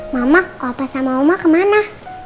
mama opa sama oma kemana